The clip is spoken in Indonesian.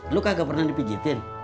lo kagak pernah dipijetin